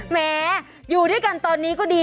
เหนือแน่ดี